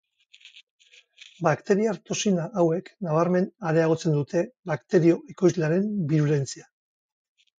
Bakteriar-toxina hauek nabarmen areagotzen dute bakterio ekoizlearen birulentzia.